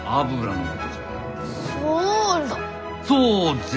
そうじゃ！